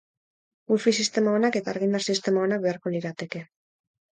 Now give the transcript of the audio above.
Wifi sistema onak eta argindar sistema onak beharko lirateke.